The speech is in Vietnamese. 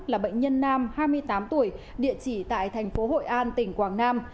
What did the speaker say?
là bệnh nhân nam hai mươi tám tuổi địa chỉ tại thành phố hội an tỉnh quảng nam